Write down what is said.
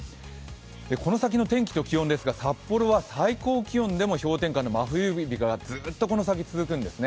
この先の天気と気温ですが、札幌は最高気温でも氷点下の真冬日がずっとこの先続くんですね。